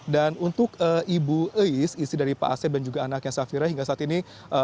dan untuk ibu eis isi dari pak asep dan juga anaknya safira hingga saat ini